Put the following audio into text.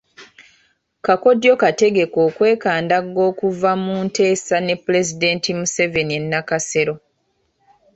Kakodyo Kategeke okwekandagga okuva mu nteesa ne Pulezidenti Museveni e Nakasero